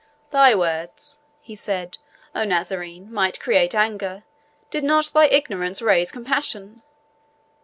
"Thy words" he said, "O Nazarene, might create anger, did not thy ignorance raise compassion.